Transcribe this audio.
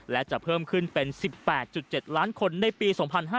และจะเพิ่มขึ้นเป็น๑๘๗ล้านคนในปี๒๕๕๙